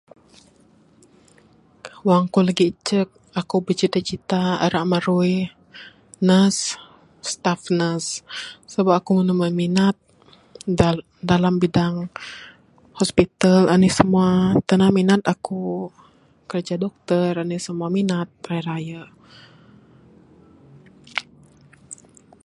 Wang aku lagi icek, aku bercita cita ira marui nurse, staff nurse sabab aku mene berminat dalam bidang hospital anih semua. Tanan ne minat aku kerja doctor anih simua, minat raye raye.